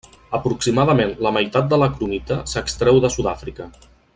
Aproximadament la meitat de la cromita s'extreu de Sud-àfrica.